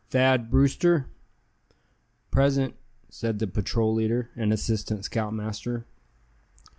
"Thad Brewster." "Present," said the patrol leader, and assistant scoutmaster.